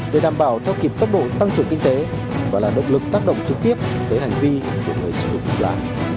để đảm bảo theo kịp tốc độ tăng trưởng kinh tế và là động lực tác động trực tiếp tới hành vi của người sử dụng thuốc lá